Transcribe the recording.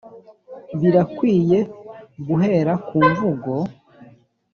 birakwiye, guhera ku mvugo,